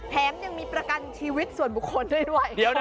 แถมยังมีประกันชีวิตส่วนบุคคลด้วยด้วยเดี๋ยวนะ